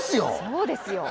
そうですよ